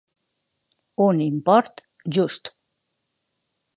Un import just.